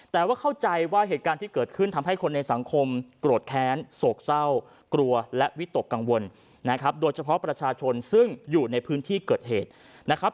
แต่ว่าเข้าใจว่าเหตุการณ์ที่เกิดขึ้นทำให้คนในสังคมโกรธแค้นโศกเศร้ากลัวและวิตกกังวลนะครับโดยเฉพาะประชาชนซึ่งอยู่ในพื้นที่เกิดเหตุนะครับ